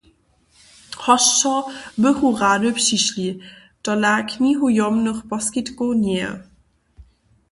Hosćo bychu rady přišli, tola knihujomnych poskitkow njeje.